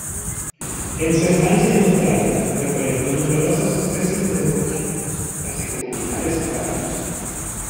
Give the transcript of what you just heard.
En su estancia en Australia recolectó numerosos especímenes botánicos, así como animales y pájaros.